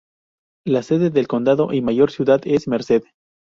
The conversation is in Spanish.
La sede del condado y mayor ciudad es Merced.